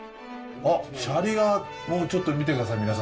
あっシャリがちょっと見てください